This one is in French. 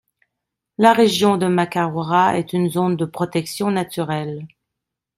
La région de Makarora est une zone de protection naturelle.